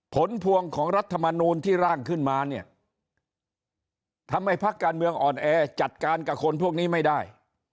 ผลพวงของรัฐมนูลที่ร่างขึ้นมาเนี่ยทำให้พักการเมืองอ่อนแอจัดการกับคนพวกนี้ไม่ได้